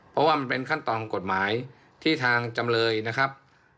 เพราะว่ามันเป็นขั้นตอนของกฎหมายที่ทางจำเลยนะครับ